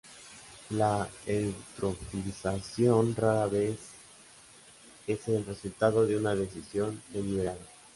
La eutrofización rara vez es el resultado de una decisión deliberada.